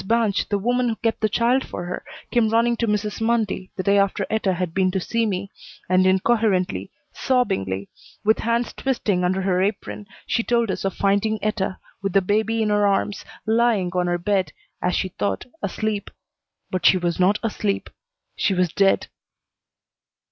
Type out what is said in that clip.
Banch, the woman who kept the child for her, came running to Mrs. Mundy the day after Etta had been to see me, and incoherently, sobbingly, with hands twisting under her apron, she told us of finding Etta, with the baby in her arms, lying on her bed, as she thought, asleep. But she was not asleep. She was dead.